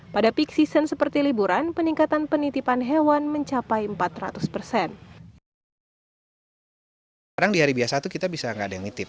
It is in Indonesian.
pada peak season seperti liburan peningkatan penitipan hewan mencapai empat ratus persen